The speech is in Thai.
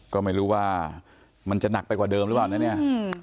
ก็ไม่รู้ว่ามันจะหนักไปกว่าเดิมหรือเปล่านะเนี่ย